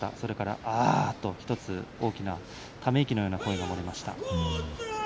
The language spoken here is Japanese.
ああっと１つの大きなため息のような声が漏れました。